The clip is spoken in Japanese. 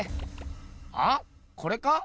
あっこれか？